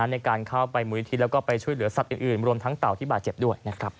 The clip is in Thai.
ในการเข้าไปมูลนิธิแล้วก็ไปช่วยเหลือสัตว์อื่นรวมทั้งเต่าที่บาดเจ็บด้วยนะครับ